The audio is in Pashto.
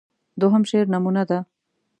دوهم شعر نمونه ده.